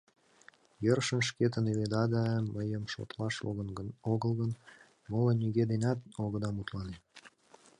Йӧршын шкетын иледа да, мыйым шотлаш огыл гын, моло нигӧ денат огыда мутлане.